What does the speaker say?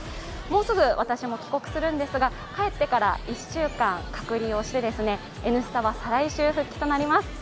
もうすぐ私も帰国するんですが帰ってから１週間隔離をして、「Ｎスタ」は再来週復帰となります。